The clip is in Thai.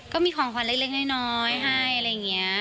ก็มีของขวัญเล็กน้อยให้อะไรอย่างนี้